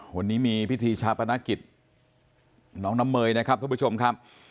วันนี้มีพิธีชาปนกิจน้องน้ำเมยนะครับทุกผู้ชมครับ